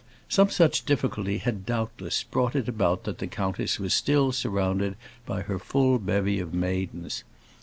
Some such difficulty had, doubtless, brought it about that the countess was still surrounded by her full bevy of maidens.